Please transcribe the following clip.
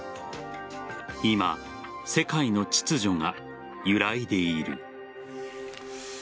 今、世界の秩序が揺らいでいる。